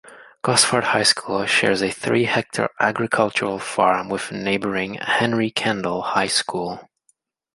Gosford High School shares a three-hectare agricultural farm with neighbouring Henry Kendall High School.